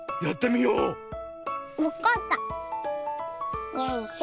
よいしょ。